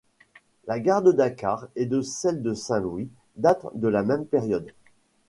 La gare de Dakar et celle de Saint-Louis datent de la même période.